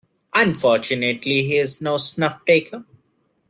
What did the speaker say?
Unfortunately he is no snuff-taker.